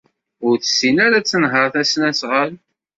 Ur tessin ara ad tenheṛ tasnasɣalt.